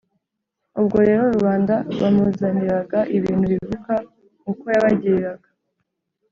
ubwo rero rubanda bamuzaniraga ibintu bibuka uko yabagiriraga,